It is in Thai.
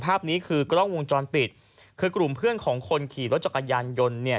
ภาพนี้คือกล้องวงจรปิดคือกลุ่มเพื่อนของคนขี่รถจักรยานยนต์เนี่ย